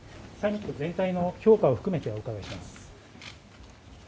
サミット全体の評価を含めてお伺いします。